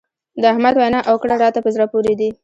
د احمد وينا او کړه راته په زړه پورې دي.